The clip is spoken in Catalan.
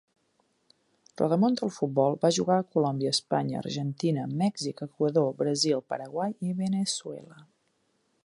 Rodamón del futbol, va jugar a Colòmbia, Espanya, Argentina, Mèxic, Equador, Brasil, Paraguai i Veneçuela.